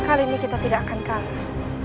kali ini kita tidak akan kalah